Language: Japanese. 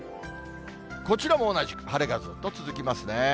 こちらも同じく晴れがずっと続きますね。